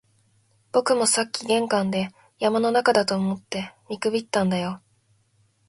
僕もさっき玄関で、山の中だと思って見くびったんだよ